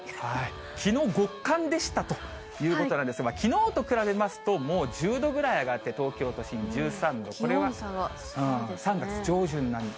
きのう、極寒でしたということなんですが、きのうと比べますと、もう１０度ぐらい上がって、東京都心１３度、これは３月上旬並み。